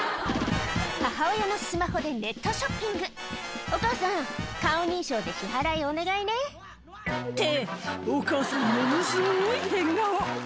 母親のスマホでネットショッピング「お母さん顔認証で支払いお願いね」ってお母さんものすごい変顔